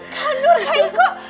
kak nur kak iko